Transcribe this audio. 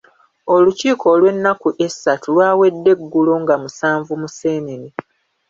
Olukiiko olw'ennaku essatu lwawedde eggulo nga musanvu Museenene.